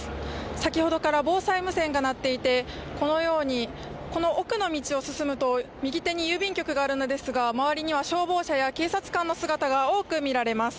先ほどから防災無線が鳴っていてこの奥の道を進むと右手に郵便局があるのですが、周りには消防車や警察官の姿が多く見られます。